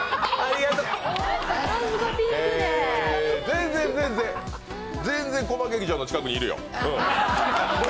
全然、全然コマ劇場の近くにいるよ。